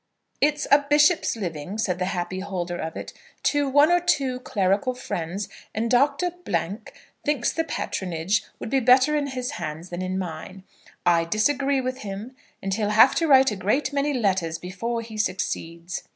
"It's a bishop's living," said the happy holder of it, "to one or two clerical friends, and Dr. thinks the patronage would be better in his hands than in mine. I disagree with him, and he'll have to write a great many letters before he succeeds."